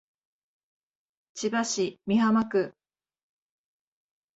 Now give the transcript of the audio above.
千葉市美浜区